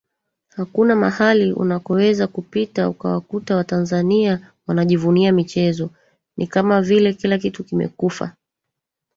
hakuna mahali unakoweza kupita ukawakuta Watanzania wanajivunia michezo ni kama vile kila kitu kimekufa